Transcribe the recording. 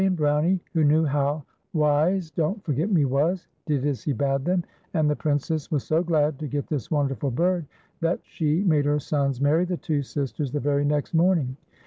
195 Fa'rie and Brownie, \vlio knew how wise Don't For;^ct Me was, did as he bade them ; and the Prin cess was so glad to get this wonderful bird, that she made her sons marry the two sisters the very next morning.